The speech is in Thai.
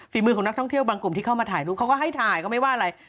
มือของนักท่องเที่ยวบางกลุ่มที่เข้ามาถ่ายรูปเขาก็ให้ถ่ายก็ไม่ว่าอะไร